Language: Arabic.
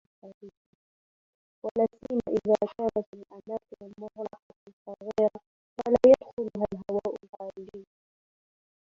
ولاسيما إذا كانت الأماكن المغلقة صغيرة ولا يدخلها الهواء الخارجي